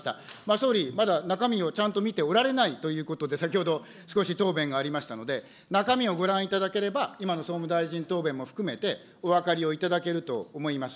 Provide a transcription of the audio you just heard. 総理、まだ中身をちゃんと見ておられないということで、先ほど少し答弁がありましたので、中身をご覧いただければ、今の総務大臣答弁も含めて、お分かりをいただけると思います。